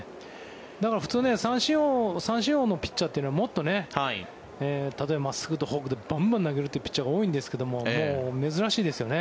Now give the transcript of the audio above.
だから普通三振王のピッチャーというのはもっと真っすぐとフォークでバンバン投げるというピッチャーが多いんですけど珍しいですよね。